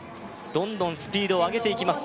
どんどんスピードを上げていきます